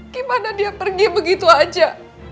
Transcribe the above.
gimana dia pergi begitu aja